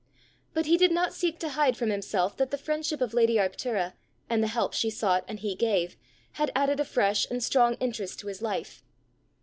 But he did not seek to hide from himself that the friendship of lady Arctura, and the help she sought and he gave, had added a fresh and strong interest to his life.